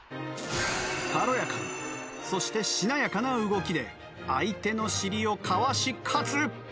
軽やかにそしてしなやかな動きで相手の尻をかわし勝つ！